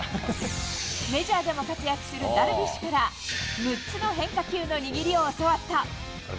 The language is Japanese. メジャーでも活躍するダルビッシュから６つの変化球の握りを教わった。